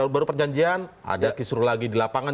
baru perjanjian ada kisru lagi di lapangan